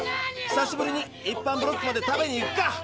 久しぶりに一般ブロックまで食べに行くか！